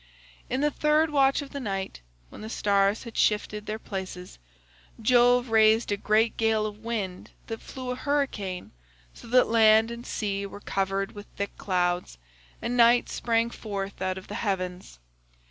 "In the third watch of the night when the stars had shifted their places, Jove raised a great gale of wind that flew a hurricane so that land and sea were covered with thick clouds, and night sprang forth out of the heavens.